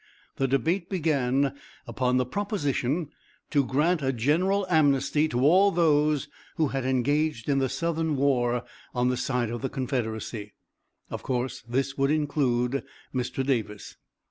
The debate began upon the proposition to grant a general amnesty to all those who had engaged in the Southern war on the side of the Confederacy; of course this would include Mr. Davis.